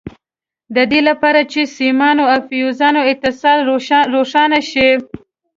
د دې لپاره چې د سیمانو او فیوزونو اتصال روښانه شي.